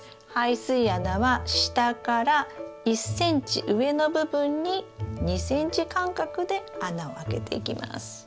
排水穴は下から１ｃｍ上の部分に２ｃｍ間隔で穴を開けていきます。